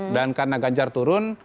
dan karena ganjar turun